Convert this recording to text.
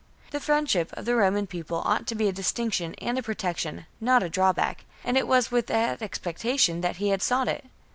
The friendship of the Roman People ought to be a distinction and a protection, not a drawback ; and it was with that expectation that he had sought it.